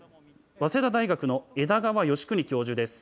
早稲田大学の枝川義邦教授です。